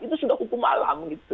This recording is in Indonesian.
itu sudah hukum alam